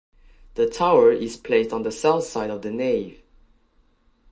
The tower is placed on the south side of the nave.